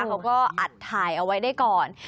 เขาก็อัดถ่ายเอาไว้ได้ก่อน